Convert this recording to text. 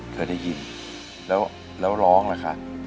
เคยได้ยินแล้วร้องล่ะคะ